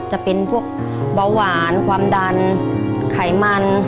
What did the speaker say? จะเป็นพวกเบาหวานความดันไขมัน